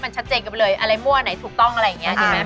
ชัดเจนไหมเลยอะไรมั่วถูกต้องอะไรแบบนี้